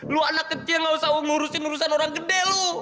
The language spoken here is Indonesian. lu anak kecil gak usah ngurusin urusan orang gede lu